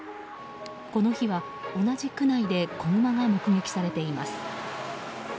この日は同じ区内で子グマが目撃されています。